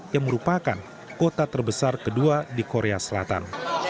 yang merupakan kota terbesar kedua di korea selatan